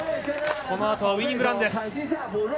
このあとはウイニングランです。